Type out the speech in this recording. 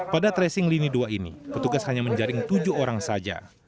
pada tracing lini dua ini petugas hanya menjaring tujuh orang saja